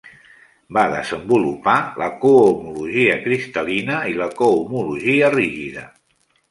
Va desenvolupar la cohomologia cristal·lina i la cohomologia rígida.